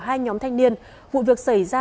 hai nhóm thanh niên vụ việc xảy ra